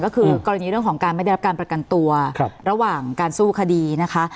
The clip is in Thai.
ก็คือกรณีเรื่องของการไม่ได้รับการประกันตัวระหว่างการสู้คดีนะคะ